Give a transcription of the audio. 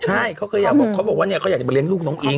ใช่เขาบอกว่าเนี่ยเขาอยากจะมาเลี้ยงลูกของน้องอิง